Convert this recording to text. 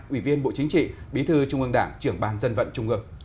ủy viên bộ chính trị bí thư trung ương đảng trưởng ban dân vận trung ương